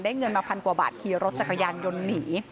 เงินมาพันกว่าบาทขี่รถจักรยานยนต์หนี